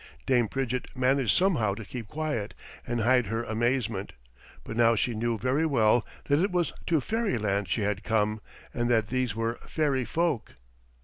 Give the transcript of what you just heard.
Dame Pridgett managed somehow to keep quiet and hide her amazement, but now she knew very well that it was to fairyland she had come, and that these were fairy folk.